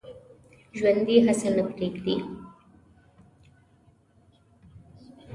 ژوندي هڅه نه پرېږدي